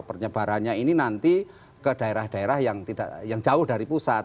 penyebarannya ini nanti ke daerah daerah yang jauh dari pusat